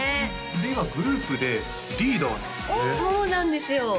今グループでリーダーなんですよね？